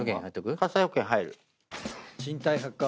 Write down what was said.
火災保険入る。